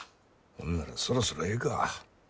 ほんならそろそろええか。